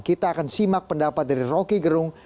kita akan simak pendapat dari rocky gerung